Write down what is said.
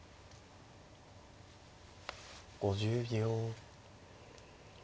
５０秒。